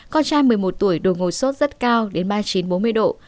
con trai một mươi một tuổi đồ ngồi suất rất cao đến ba mươi chín bốn mươi độ